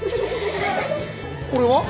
これは？